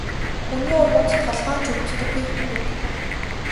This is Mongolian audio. Хүний урманд толгой нь ч өвддөггүй хүүхэд.